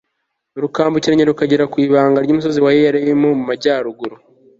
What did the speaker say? rukambukiranya rukagera ku ibanga ry umusozi wa Yeyarimu mu majyaruguru